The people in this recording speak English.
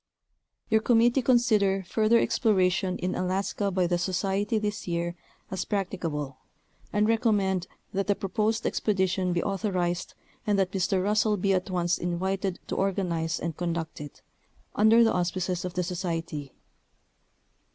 Your committee consider further exploration in Alaska by the Society this year as practicable, and recommend that the proposed expedition be authorized, and that Mr. Russell be at once invited to organize and conduct it, under the auspices of the Society.